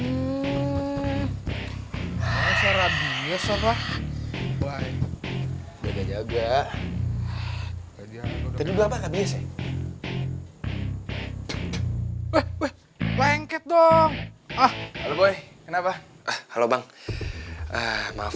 oh ya makasih dahulu gw langsung nangis